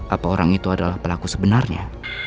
apa orang itu adalah pelaku sebenarnya